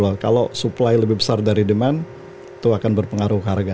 gitu loh kalau supply lebih besar dari demand itu akan berpengaruh ke harga